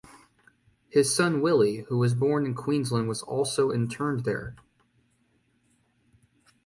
His son Willy who was born in Queensland was also interned there.